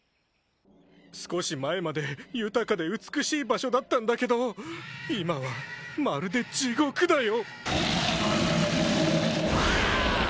少し前まで豊かで美しい場所だったんだけど今はまるで地獄だよ